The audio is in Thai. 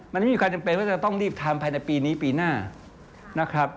มันไม่มีความจำเป็นว่าจะต้องรีบทำภายในปีนี้ปีหน้านะครับ